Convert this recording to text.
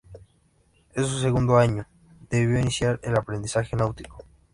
En su segundo año, debió iniciar el aprendizaje náutico.